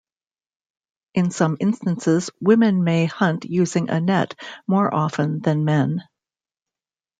In some instances women may hunt using a net more often than men.